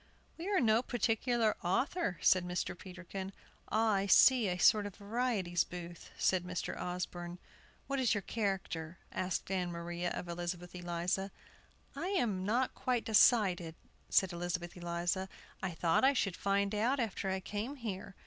"We are no particular author," said Mr. Peterkin. "Ah, I see, a sort of varieties' booth," said Mr. Osborne. "What is your character?" asked Ann Maria of Elizabeth Eliza. "I have not quite decided," said Elizabeth Eliza. "I thought I should find out after I came here.